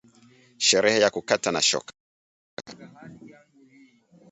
Sherehe ya kukata na shoka